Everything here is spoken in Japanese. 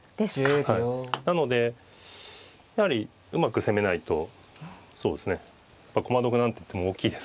なのでやはりうまく攻めないとそうですね駒得何ていっても大きいですから。